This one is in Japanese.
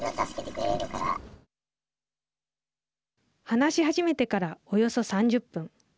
話し始めてからおよそ３０分。